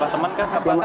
selamat malam juga dengan